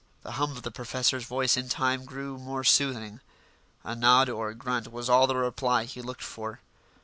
The hum of the professor's voice in time grew more soothing. A nod or a grunt was all the reply he looked for.